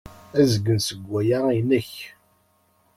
Azgen seg waya inek.